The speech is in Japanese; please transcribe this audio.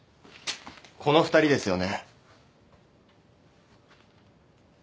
この２人ですよね。